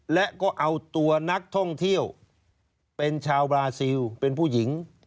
และก็เอาตัวนักท่องเที่ยวเป็นชาวบราซิลเป็นผู้หญิง